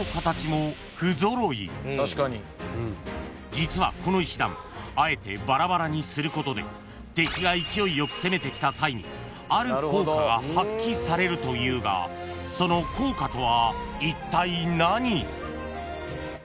［実はこの石段あえてバラバラにすることで敵が勢いよく攻めてきた際にある効果が発揮されるというがその効果とはいったい何？］